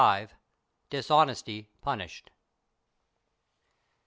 CXXXV. DISHONESTY PUNISHED.